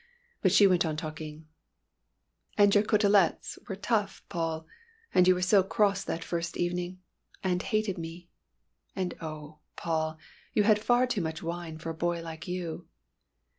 But she went on talking. "And your cotelettes were tough, Paul, and you were so cross that first evening, and hated me! And oh! Paul, you had far too much wine for a boy like you!"